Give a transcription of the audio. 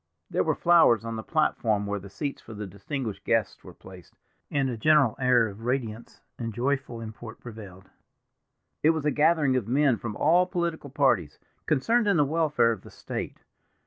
There were flowers on the platform where the seats for the distinguished guests were placed, and a general air of radiance and joyful import prevailed. It was a gathering of men from all political parties, concerned in the welfare of the State.